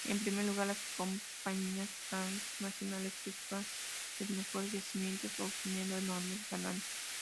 En primer lugar, las compañías transnacionales que explotan los mejores yacimientos, obteniendo enormes ganancias.